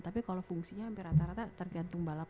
tapi kalo fungsinya hampir rata rata tergantung balapan